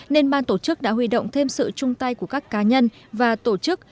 nên ban tổ chức đã huy động thêm sự chung tay của các cá nhân và tổ chức